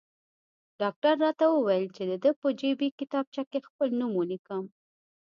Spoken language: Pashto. ډاکټر راته وویل چې د ده په جیبي کتابچه کې خپل نوم ولیکم.